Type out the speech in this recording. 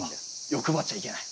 欲張っちゃいけない。